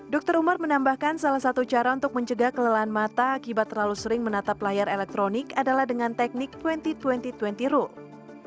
dr umar menambahkan salah satu cara untuk mencegah kelelahan mata akibat terlalu sering menatap layar elektronik adalah dengan teknik dua ribu dua puluh dua puluh room